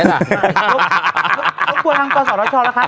ครับครับครับครับครับครับครับครับครับครับครับครับครับครับครับครับครับ